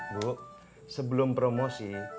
bu sebelum promosi